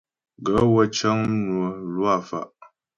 Gaə̂ wə́ cə́ŋ mnwə mlwâ fá'.